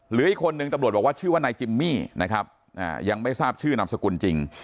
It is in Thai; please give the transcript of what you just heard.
หรืออีกคนนึงตำรวจบอกว่าชื่อว่านายจิมมี่นะครับยังไม่ทราบชื่อนามสกุลจริง